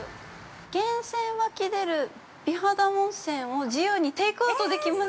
源泉湧き出る美肌温泉を自由にテイクアウトできます。